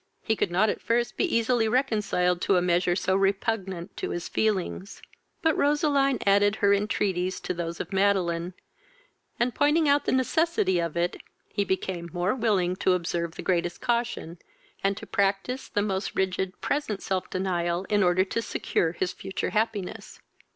He could not at first be easily reconciled to a measure so repugnant to his feelings; but Roseline adding her intreaties to those of Madeline, and pointing out the necessity of it, he became more willing to observe the greatest caution, and to practise the most rigid present self denial, in order to secure his future happiness.